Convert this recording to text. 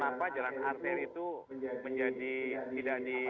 kenapa jalan arteri itu menjadi tidak di